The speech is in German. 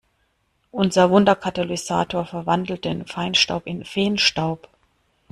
Unser Wunderkatalysator verwandelt den Feinstaub in Feenstaub.